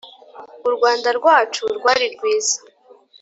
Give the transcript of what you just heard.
U Rwanda rwacu rwari rwiza